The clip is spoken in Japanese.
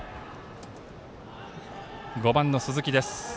５番の鈴木です。